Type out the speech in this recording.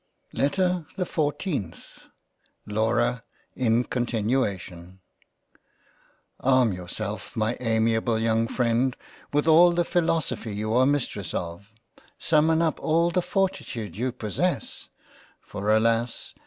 LETTER the 14th LAURA in continuation ARM yourself my amiable young Freind with all the philosophy you are Mistress of; summon up all the fortitude you possess, for alas